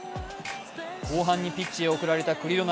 後半にピッチへ送られたクリロナ。